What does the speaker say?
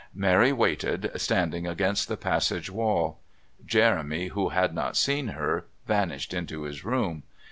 Mary waited, standing against the passage wall. Jeremy, who had not seen her, vanished into his room.